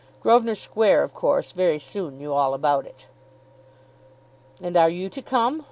Grosvenor Square, of course, very soon knew all about it. "And are you to come?"